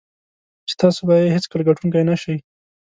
چې تاسو به یې هېڅکله ګټونکی نه شئ.